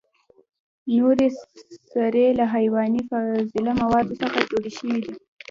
نورې سرې له حیواني فاضله موادو څخه جوړ شوي دي.